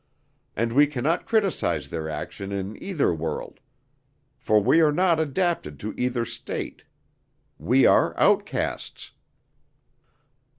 And we can not criticise their action in either world, for we are not adapted to either state. We are outcasts."